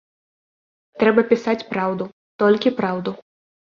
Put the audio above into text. Трэба пісаць праўду, толькі праўду.